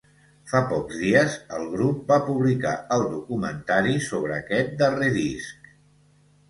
Fa pocs dies, el grup va publicar el documentari sobre aquest darrer disc.